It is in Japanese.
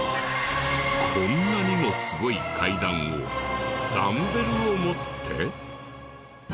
こんなにもすごい階段をダンベルを持って？